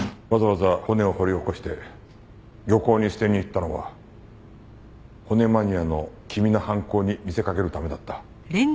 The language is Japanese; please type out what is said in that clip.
わざわざ骨を掘り起こして漁港に捨てに行ったのは骨マニアの君の犯行に見せかけるためだった。